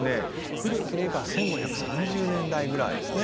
古ければ１５３０年代ぐらいですね。